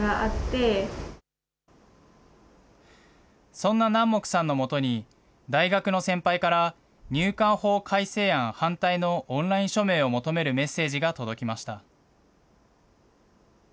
そんな南木さんのもとに、大学の先輩から、入管法改正案反対のオンライン署名を求めるメッセージが届きました。